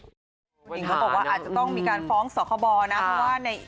คุณอิงก็บอกว่าอาจจะต้องมีการฟ้องสวขบนะ